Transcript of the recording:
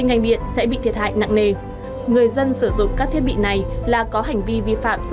ngành điện sẽ bị thiệt hại nặng nề người dân sử dụng các thiết bị này là có hành vi vi phạm giữa